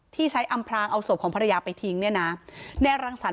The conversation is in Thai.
ที่ใช้อำพรางเอาศพของภรรยาไปทิ้งเนี่ยนะนายรังสรรค